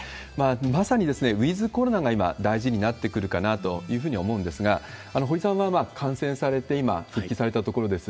まさにウィズコロナが今、大事になってくるかなというふうに思うんですが、堀さんは感染されて、今、復帰されたところです。